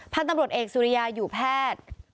พันธุ์ตำรวจเอกสุริยาอยู่แพทย์